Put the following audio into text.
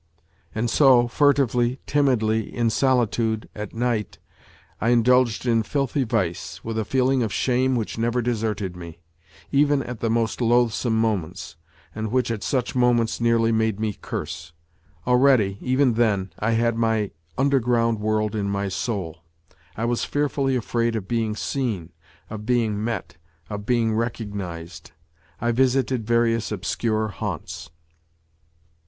And so, furtively, timidly, in solitude, at night, I indulged in filthy vice, with a feeling of shame which never deserted me, even at the most loathsome moments, and which at such moments nearly made me curse. Already even then I had my under ground world in my soul. I was fearfully afraid of being seen, of being met, of being recognized. I visited various obscure haunts.